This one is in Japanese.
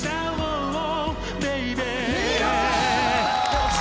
よし！